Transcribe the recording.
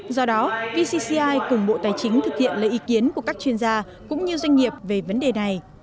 do đó vcci cùng bộ tài chính thực hiện lấy ý kiến của các chuyên gia cũng như doanh nghiệp về vấn đề này